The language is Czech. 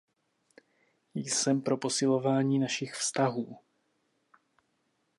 Jsem pro posilování našich vztahů.